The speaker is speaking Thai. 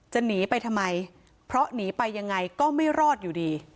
หนีไปทำไมเพราะหนีไปยังไงก็ไม่รอดอยู่ดี